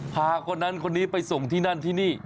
พาคนนั้นคนนี้ไปส่งที่นั่นที่นี่